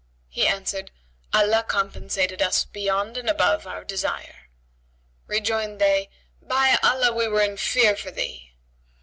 He answered, "Allah compensated us beyond and above our desire." Rejoined they, "By Allah, we were in fear for thee".